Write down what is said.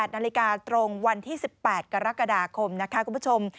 ๘นาฬิกาตรงวันที่๑๘กรกฎาคมนะคะคุณผู้ชม